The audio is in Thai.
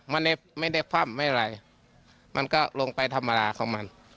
ไม่ได้ไม่ได้คว่ำไม่อะไรมันก็ลงไปธรรมดาของมัน